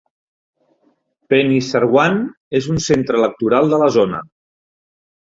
Penisarwaun és un centre electoral de la zona.